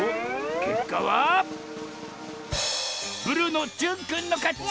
けっかはブルーのじゅんくんのかち！